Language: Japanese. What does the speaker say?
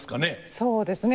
そうですね。